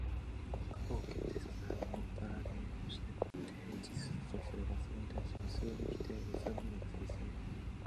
過去を決定せられたもの、与えられたものとしてテージスとすれば、それに対し無数の否定、無数の未来が成立する。